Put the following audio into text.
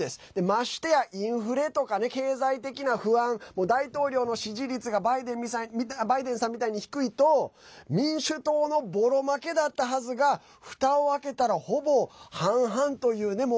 ましてやインフレとか経済的な不安大統領の支持率がバイデンさんみたいに低いと民主党のぼろ負けだったはずがふたを開けたら、ほぼ半々という。